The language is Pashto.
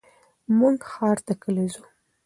مونږ ښار ته کله ځو؟